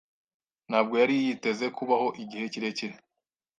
Ntabwo yari yiteze kubaho igihe kirekire.